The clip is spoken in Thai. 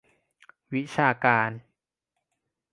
วิชาการ